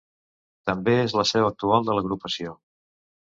També és la seu actual de l'agrupació.